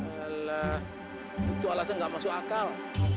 alah itu alasan gak masuk akal